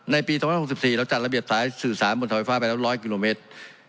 ปี๒๐๖๔เราจัดระเบียบสายสื่อสารบนทอยฟ้าไปแล้ว๑๐๐กิโลเมตร